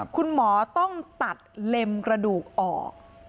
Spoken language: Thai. คุณหมอต้องตัดเล็มกระดูกออก